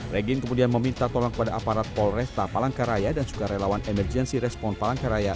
regin kemudian meminta tolong kepada aparat polresta palangkaraya dan sukarelawan emergency respon palangkaraya